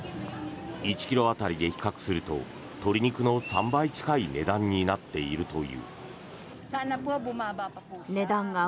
１ｋｇ当たりで比較すると鶏肉の３倍近い値段になっているという。